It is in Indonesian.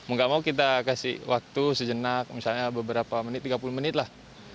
nggak mau kita kasih waktu sejenak misalnya beberapa menit tiga puluh menit lah